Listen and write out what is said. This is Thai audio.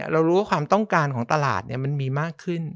เรารู้ว่าความต้องการของตลาดมันมีมากขึ้น